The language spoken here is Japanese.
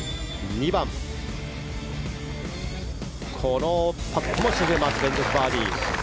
２番のパットも沈めて連続バーディー。